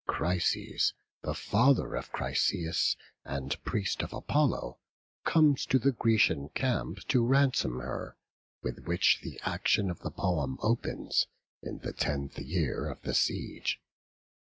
Chryses, the father of Chryseis, and priest of Apollo, comes to the Grecian camp to ransom her; with which the action of the poem opens, in the tenth year of the siege.